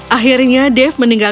akhirnya dev meninggal